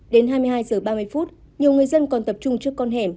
đến hai mươi hai h ba mươi nhiều người dân còn tập trung trước con hẻm